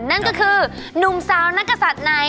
นั่นก็คือหนุ่มสาวนักศัตริย์ไหน